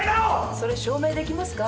それ証明できますか？